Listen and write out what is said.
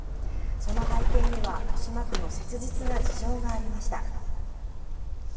その背景には豊島区の切実な事情がありました。